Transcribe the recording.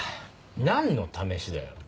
何の試しだよ。